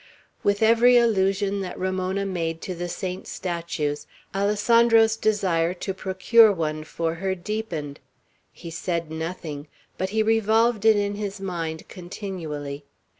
With every allusion that Ramona made to the saints' statues, Alessandro's desire to procure one for her deepened. He said nothing; but he revolved it in his mind continually.